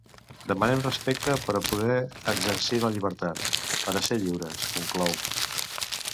Demanem respecte per a poder exercir la llibertat, per a ser lliures, conclou.